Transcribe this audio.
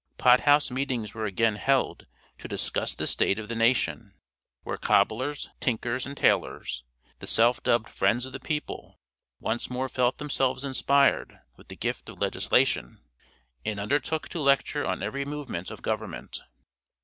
Pot house meetings were again held to "discuss the state of the nation," where cobblers, tinkers, and tailors, the self dubbed "friends of the people," once more felt themselves inspired with the gift of legislation, and undertook to lecture on every movement of government.